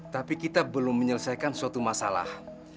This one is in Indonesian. tapi kita belum menyelesaikan suatu masalah